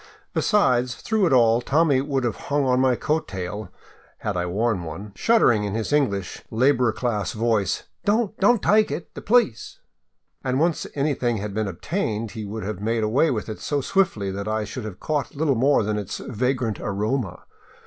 Besides, through it all Tommy would have hung on my coat tail, had I worn one, shuddering in his English, laboring class voice, " Don't ! Don't tyke it ! The police !"— and once anything had been obtained, he would have made away with it so swiftly that I should have caught little more than its vagrant aroma.